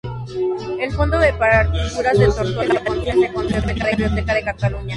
El fondo de partituras de Tórtola Valencia se conserva en la Biblioteca de Cataluña.